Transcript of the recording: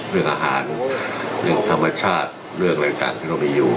เรื่องอาหารเรื่องธรรมชาติเรื่องอะไรต่างที่เรามีอยู่